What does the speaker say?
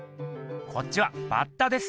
こっちはバッタです。